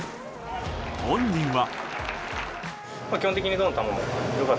本人は。